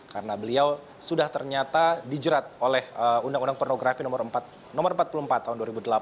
karena beliau sudah ternyata dijerat oleh undang undang pornografi no empat puluh empat tahun dua ribu delapan